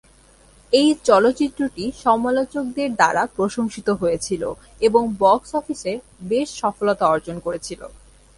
এই চলচ্চিত্রটি সমালোচকদের দ্বারা প্রশংসিত হয়েছিল এবং বক্স অফিসে বেশ সফলতা অর্জন করেছিল।